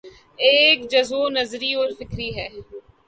ایک جزو نظری اور فکری ہے۔